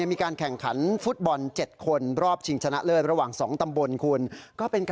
มีการแข่งขันฟุตบอล๗คน